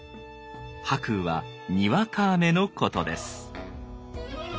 「白雨」はにわか雨のことです。